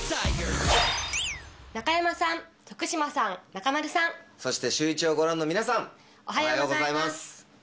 中山さん、そしてシューイチをご覧の皆さん、おはようございます。